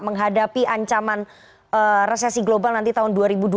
menghadapi ancaman resesi global nanti tahun dua ribu dua puluh